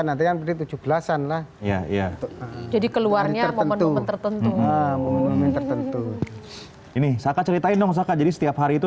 nanti tujuh belas an lah ya jadi keluarnya tertentu ini saya ceritain dong jadi setiap hari itu